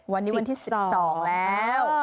วันนี้วันที่๑๒แล้ว